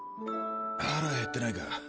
腹減ってないか？